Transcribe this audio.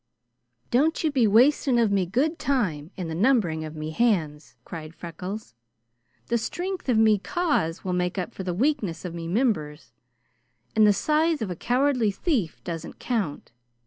"Don't you be wasting of me good time in the numbering of me hands," cried Freckles. "The stringth of me cause will make up for the weakness of me mimbers, and the size of a cowardly thief doesn't count.